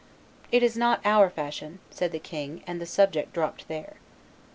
"It is not our fashion," said the king; and the subject dropped there.